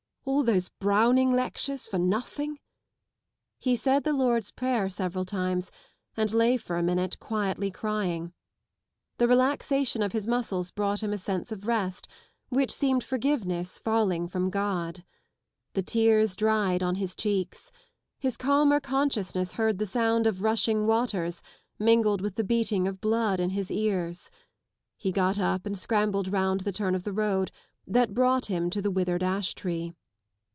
" All those Browning lectures for nothing ..." He said the Lord's Prayer several times and lay for a minute quietly crying. The relaxation of his muscles brought him a sense of nst which seemed forgiveness falling from God. The tears dried on his cheeks. His calmer consciousness heard the sound of rushing waters mingled with the beating of blood in his ears, He got up and scrambled round the turn of the road that brought him to the withered ash tree.